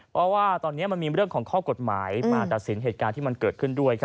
เพราะว่าตอนนี้มันมีเรื่องของข้อกฎหมายมาตัดสินเหตุการณ์ที่มันเกิดขึ้นด้วย